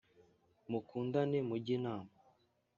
mukundane mujye inama